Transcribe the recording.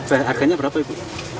harganya berapa ibu